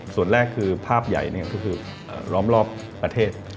ส่วนแรกคือภาพใหญ่ก็คือล้อมรอบประเทศ